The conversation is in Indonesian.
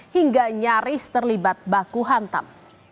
hingga nyaris terlibat baku hantam